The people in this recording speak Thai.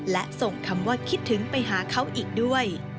และส่งคำว่าคิดถึงไปหาเขาอีกด้วย